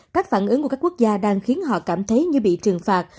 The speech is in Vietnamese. các phản ứng của các quốc gia đang khiến họ cảm thấy như bị trừng phạt